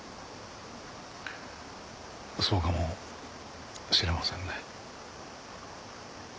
そうかもしれませんね。